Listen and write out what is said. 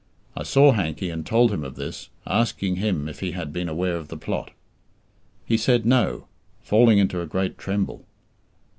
I saw Hankey and told him of this, asking him if he had been aware of the plot. He said "No," falling into a great tremble.